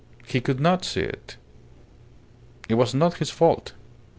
He could not see it. It was not his fault.